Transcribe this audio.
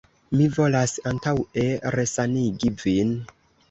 Mi volas antaŭe resanigi vin.